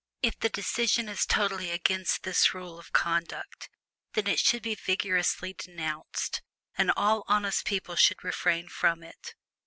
If the decision is totally against this rule of conduct, then it should be vigorously denounced, and all honest people should refrain from it.